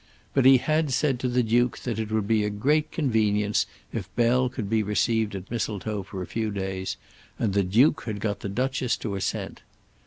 But he had said to the Duke that it would be a great convenience if Bell could be received at Mistletoe for a few days, and the Duke had got the Duchess to assent.